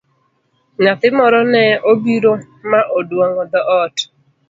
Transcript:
Nyathi moro ne obiro ma oduong'o dhoot.